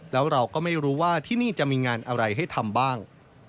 แล้วเราก็ไม่รู้ว่าที่นี่จะมีงานอะไรให้ทำบ้าง